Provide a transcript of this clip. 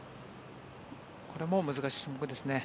これも難しい種目です。